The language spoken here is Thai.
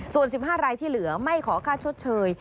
ส่วน๑๕รายที่เหลือไม่ขอค่าชดเชย